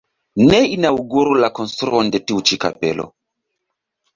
Ne inaŭguru la konstruon de tiu ĉi kapelo!